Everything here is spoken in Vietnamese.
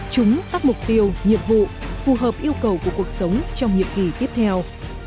chúng các mục tiêu nhiệm vụ phù hợp yêu cầu của cuộc sống trong nhiệm kỳ tiếp theo